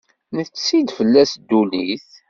Netti-d fell-as ddunit.